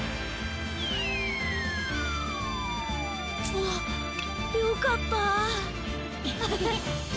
あっよかったあ。